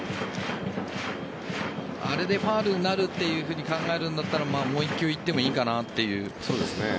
あれでファウルになるというふうに考えるんだったらもう１球いってもいいかなという。